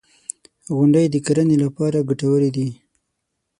• غونډۍ د کرنې لپاره ګټورې دي.